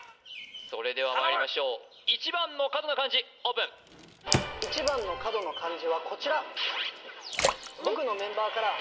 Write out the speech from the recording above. それではまいりましょう１番の角の漢字オープン１番の角の漢字はこちら僕のメンバーカラー